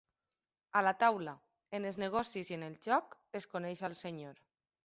A la taula, en els negocis i en el joc, es coneix el senyor.